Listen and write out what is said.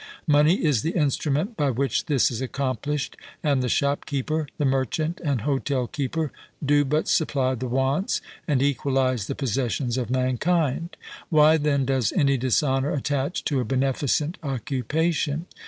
Money is the instrument by which this is accomplished, and the shop keeper, the merchant, and hotel keeper do but supply the wants and equalize the possessions of mankind. Why, then, does any dishonour attach to a beneficent occupation?